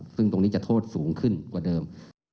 ซึ่งตรงนี้จะโทษสูงขึ้นกว่าเดิม